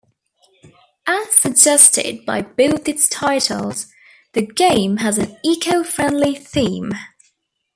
As suggested by both its titles, the game has an "eco-friendly" theme.